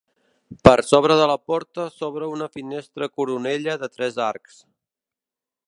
Per sobre de la porta s'obre una finestra coronella de tres arcs.